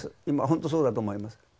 今ほんとそうだと思います。